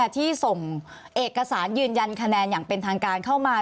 ที่ส่งเอกสารยืนยันคะแนนอย่างเป็นทางการเข้ามา